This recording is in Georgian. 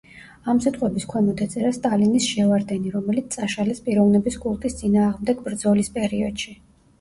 ამ სიტყვების ქვემოთ ეწერა „სტალინის შევარდენი“, რომელიც წაშალეს პიროვნების კულტის წინააღმდეგ ბრძოლის პერიოდში.